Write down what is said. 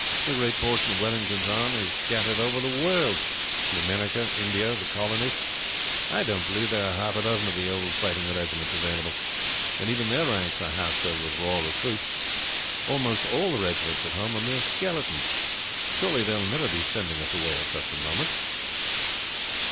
The greater portion of Wellington's army are scattered over the world in America, India, and the Colonies. I don't believe there are half a dozen of the old fighting regiments available, and even their ranks are half filled with raw recruits. Almost all the regiments at home are mere skeletons. Surely they will never be sending us away at such a moment?"